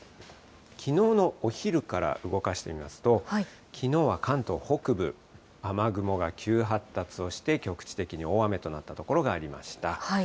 きのうのお昼から動かしてみますと、きのうは関東北部、雨雲が急発達をして局地的に大雨となった所がありました。